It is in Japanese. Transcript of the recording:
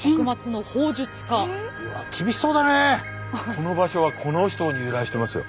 この場所はこの人に由来してますよ。